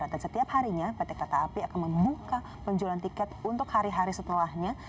dan setiap harinya pt kereta api akan membuka penjualan tiket untuk hari hari setelahnya